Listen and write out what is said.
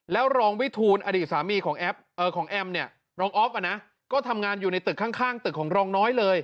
แล้วรองวิทูลอดีตสามีของแอมเนี่ยรองออฟก็ทำงานอยู่ในตึกข้างตึกของรองน้อยเลย